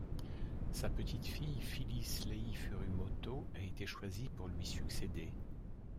Sa petite fille Phyllis Lei Furumoto a été choisie pour lui succéder.